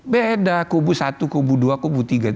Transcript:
beda kubu satu kubu dua kubu tiga